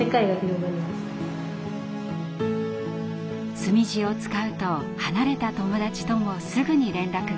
墨字を使うと離れた友達ともすぐに連絡が取れる。